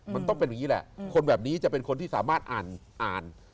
มันต้องเป็นอย่างนี้แหละคนแบบนี้จะเป็นคนที่สามารถอ่านอ่าน